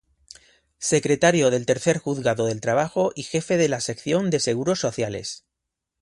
Secretario del tercer Juzgado del Trabajo y jefe de la sección de Seguros Sociales.